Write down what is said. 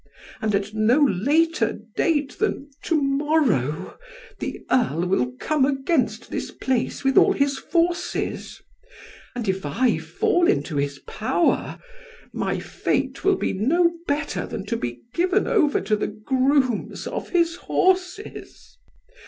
And at no later date than to morrow, the earl will come against this place with all his forces; and if I fall into his power, my fate will be no better than to be given over to the grooms of his horses.